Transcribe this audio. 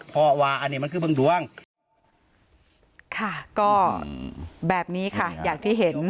เพราะว่าอันนี้มันคือบึงดวงค่ะก็แบบนี้ค่ะอย่างที่เห็น